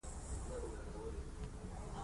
خلک لومړی له ما سره سمه رويه کوي